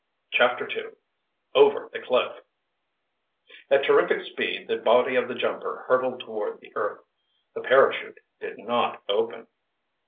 CHAPTER II OVER THE CLIFF At terrific speed the body of the jumper hurtled toward the earth. The parachute did not open.